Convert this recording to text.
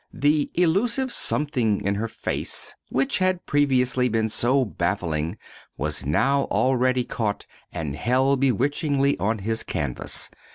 The "elusive something" in her face, which had previously been so baffling, was now already caught and held bewitchingly on his canvas.